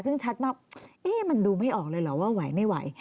ซึ่งชัดมากมันดูไม่ออกเลยเหรอว่าไหวไม่ไหว